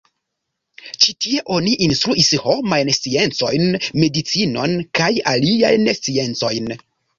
Ĉi tie oni instruis homajn sciencojn, medicinon kaj aliajn sciencojn.